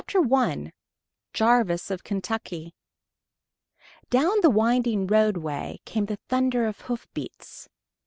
278 I JARVIS OF KENTUCKY Down the winding roadway came the thunder of hoofbeats!